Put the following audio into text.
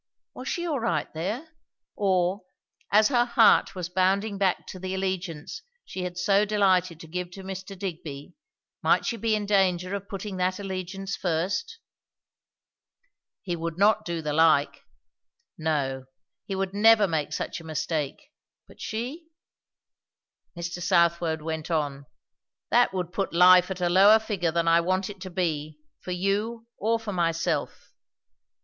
Was she all right there? Or, as her heart was bounding back to the allegiance she had so delighted to give to Mr. Digby, might she be in danger of putting that allegiance first? He would not do the like. No, he would never make such a mistake; but she? Mr. Southwode went on, "That would put life at a lower figure than I want it to be, for you or for myself.